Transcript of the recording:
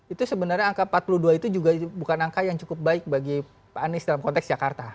itu sebenarnya angka empat puluh dua itu juga bukan angka yang cukup baik bagi pak anies dalam konteks jakarta